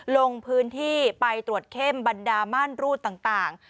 ลงพื้นที่ไปตรวจเข้มบรรดาม่านรูดต่าง